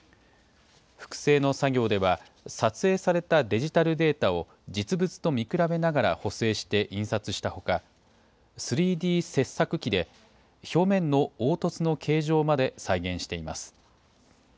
複製の作業では、撮影されたデジタルデータを実物と見比べながら補正して印刷したほか、３Ｄ切削機で表面の凹凸の形状まで再現しています。